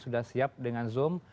sudah siap dengan zoom